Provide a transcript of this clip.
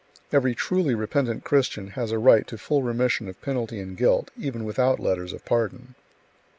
Every truly repentant Christian has a right to full remission of penalty and guilt, even without letters of pardon.